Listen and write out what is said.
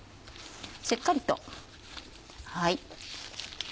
しっかりと。